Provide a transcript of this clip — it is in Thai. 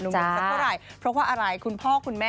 ไม่รู้อ่ะ